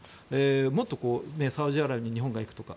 もっとサウジアラビアに日本が行くとか。